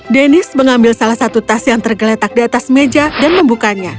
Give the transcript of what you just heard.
denis mengambil salah satu tas yang tergeletak di atas meja dan membukanya